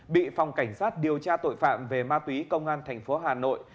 bị phòng cảnh sát điều tra tội phạm về ma túy công an tp hà nội